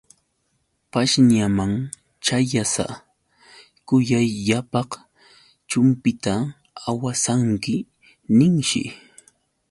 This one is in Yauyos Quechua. Pashñaman ćhayasa: Kuyayllapaq chumpita awasanki, ninshi.